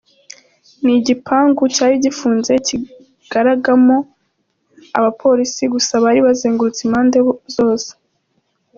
Ni igipangu cyari gifunze kigaragamo abapolisi gusa bari bazengurutse impande zose.